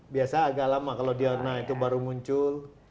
biasa agak lama kalau di on nah itu baru muncul